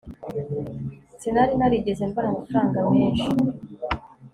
sinari narigeze mbona amafaranga menshi